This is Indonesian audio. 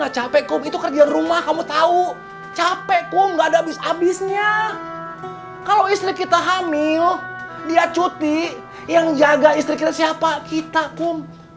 capek kum nggak ada abis abisnya kalau istri kita hamil dia cuti yang jaga istri kita siapa kita kum